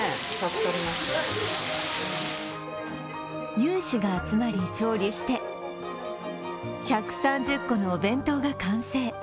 有志が集まり、調理して１３０個のお弁当が完成。